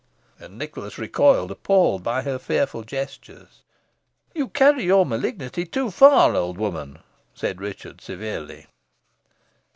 And Nicholas recoiled, appalled by her fearful gestures. "You carry your malignity too far, old woman," said Richard severely.